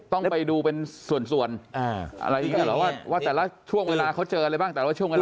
ต้องไปดูเป็นส่วนอะไรอย่างนี้หรอว่าแต่ละช่วงเวลาเขาเจออะไรบ้าง